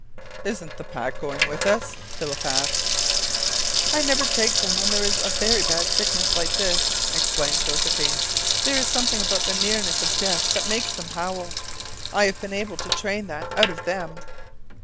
"Isn't the pack going with us?" asked Philip. "I never take them when there is very bad sickness, like this," explained Josephine. "There is something about the nearness of death that makes them howl. I haven't been able to train that out of them."